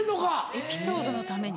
エピソードのために。